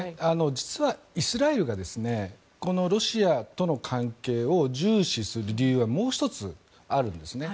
実はイスラエルがこのロシアとの関係を重視する理由はもう１つあるんですね。